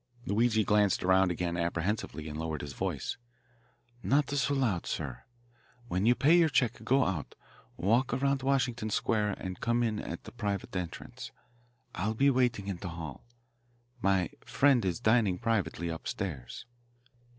Luigi glanced around again apprehensively and lowered his voice. "Not so loud, sir. When you pay your check, go out, walk around Washington Square, and come in at the private entrance. I'll be waiting in the hall. My friend is dining privately upstairs."